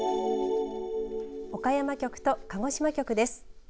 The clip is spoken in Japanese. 岡山局と鹿児島局です。